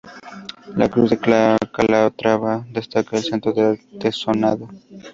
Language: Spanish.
La cruz de Calatrava destaca al centro del artesonado.